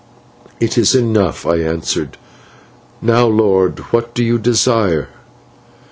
"'It is enough,' I answered. 'Now, lord, what do you desire?'